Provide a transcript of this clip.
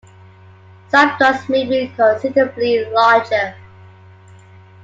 Some dogs may be considerably larger.